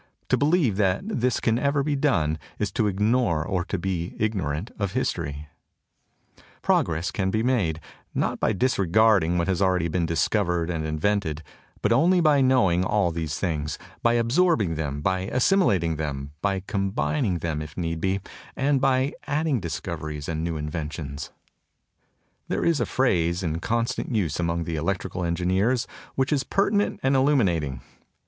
To believe that this can ever be done is to ignore or to be igno rant of history. Progress can be made, not by disregarding what has already been discovered and invented, but only by knowing all these things, by absorbing them, by assimilating them, by combining them, if need be, and by adding discoveries and new inventions. 12 THE TOCSIN OF REVOLT There is a phrase in constant use among the electrical engineers which is pertinent and illu minating.